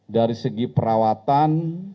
dari segi perawatan